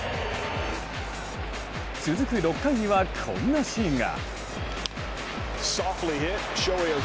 続く６回には、こんなシーンが。